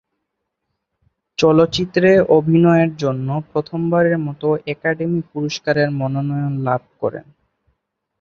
চলচ্চিত্রে অভিনয়ের জন্য প্রথমবারের মত একাডেমি পুরস্কারের মনোনয়ন লাভ করেন।